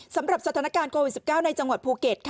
สำหรับสถานการณ์โควิด๑๙ในจังหวัดภูเก็ตค่ะ